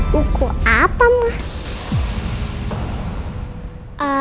buku apa emak